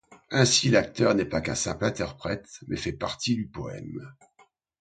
Ainsi, l'acteur n’est pas qu'un simple interprète mais fait partie du poème.